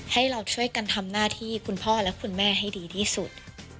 ให้เราช่วยกันทำหน้าที่คุณพ่อและคุณแม่ให้ดีที่สุด